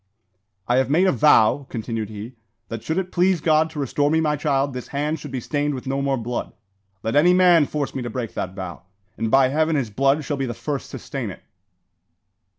"I had made a vow," continued he, "that should it please God to restore me my child, this hand should be stained with no more blood. Let any man force me to break that vow, and, by Heaven, his blood shall be the first to stain it!"